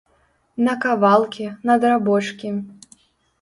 На кавалкі, на драбочкі.